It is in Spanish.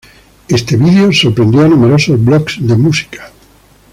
Este vídeo sorprendió a numerosos blogs de música.